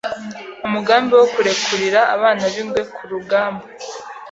umugambi wo kurekurira Abana b’Ingwe ku rugamba.